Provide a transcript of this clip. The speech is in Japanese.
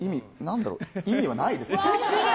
意味はないですね。